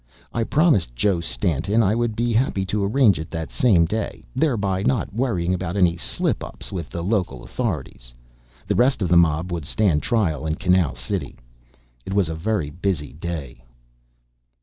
I promised Joe Stantin I would be happy to arrange it that same day. Thereby not worrying about any slip ups with the local authorities. The rest of the mob would stand trial in Canal City. It was a very busy day.